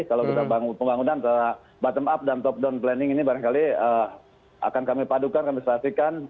kalau kita bangun pembangunan bottom up dan top down planning ini barangkali akan kami padukan kami serasikan